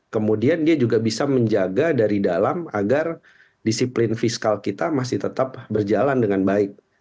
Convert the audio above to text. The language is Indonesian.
kemudian dia juga bisa menjaga dari dalam agar disiplin fiskal kita masih tetap berjalan dengan baik